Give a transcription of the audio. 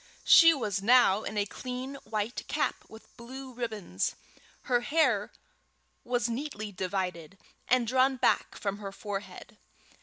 She was now in a clean white cap with blue ribbons. Her hair was neatly divided, and drawn back from her forehead.